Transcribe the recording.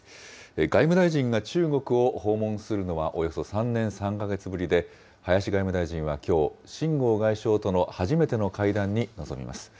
外務大臣が中国を訪問するのはおよそ３年３か月ぶりで、林外務大臣はきょう、秦剛外相との初めての会談に臨みます。